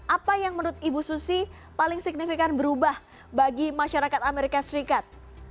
apa yang menurut ibu susi paling signifikan berubah bagi masyarakat amerika serikat